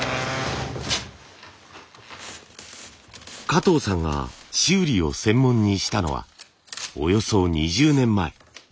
加藤さんが修理を専門にしたのはおよそ２０年前。